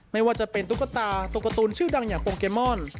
ไม่ว่าจะเป็นตุ๊กตาตัวการ์ตูนชื่อดังอย่างโปเกมอน